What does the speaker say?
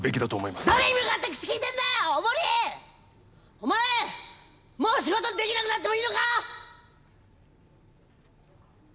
お前もう仕事できなくなってもいいのか！？